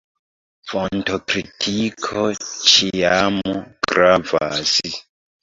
Fontokritiko ĉiam gravas.